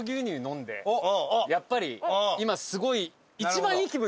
やっぱり今すごい。